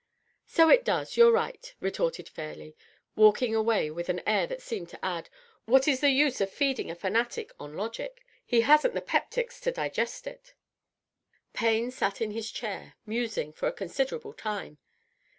" So it does — ^you're right," retorted Fairleigh, walking away with an air that seemed to add, ^ What is the use of feeding a fanatic on Ic^ic? — ^he hasn't the peptics to digest it.' DOUGLAS DUANE. 631 Payne sat in his chair, musing, for a considerable time.